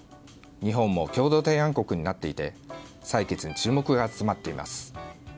日本も共同提案国になっていて採決に注目が集まっています。